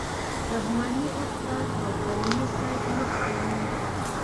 رحماني استاد او کریمي صیب مخکې وو.